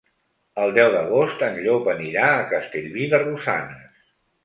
El deu d'agost en Llop anirà a Castellví de Rosanes.